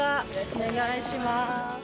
お願いします。